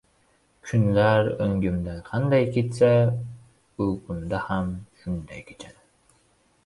Kunlar o‘ngimda qanday kechsa, uyqumda-da shunday kechadi.